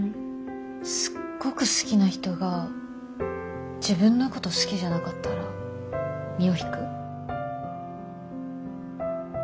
すっごく好きな人が自分のこと好きじゃなかったら身を引く？